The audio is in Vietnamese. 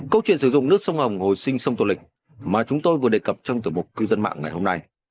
câu chuyện sử dụng nước sông hồng hồi sinh sông tô lịch mà chúng tôi vừa đề cập trong tiểu mục cư dân mạng ngày hôm nay